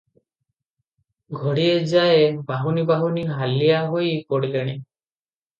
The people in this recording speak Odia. ଘଡ଼ିଏ ଯାଏ ବାହୁନି ବାହୁନି ହାଲିଆ ହୋଇ ପଡିଲେଣି ।